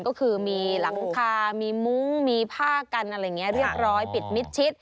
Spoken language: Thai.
ก็คือมีหลังคามีมุ้งมีผ้ากันอะไรอย่างนี้เรียบร้อยปิดมิดชิด